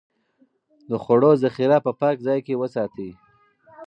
د خوړو ذخيره په پاک ځای کې وساتئ.